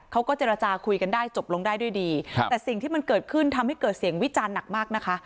เขาก็เจรจาคุยกันได้จบลงได้ด้วยดีครับแต่สิ่งที่มันเกิดขึ้นทำให้เกิดเสียงวิจารณ์หนักมากนะคะ